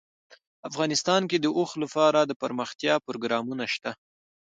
افغانستان کې د اوښ لپاره دپرمختیا پروګرامونه شته.